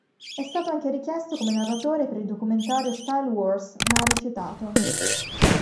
È stato anche richiesto come narratore per il documentario Style Wars ma ha rifiutato.